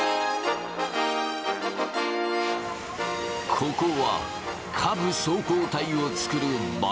ここは下部走行体を作る場所。